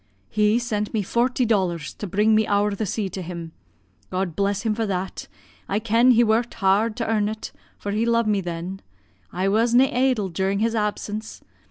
'He sent me forty dollars to bring me ower the sea to him God bless him for that, I ken he worked hard to earn it, for he lo'ed me then I was na' idle during his absence.